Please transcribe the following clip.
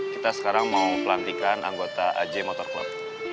kita sekarang mau pelantikan anggota aj motor club